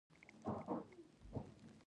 پښتو د سیاست ژبه کړئ.